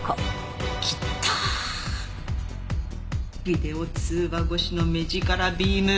ビデオ通話越しの目力ビーム。